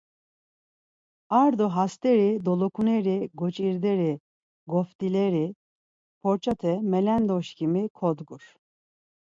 Ar do hast̆eri dolokuneri goç̌irderi goft̆ileri porçate melendoşǩimi kodgur.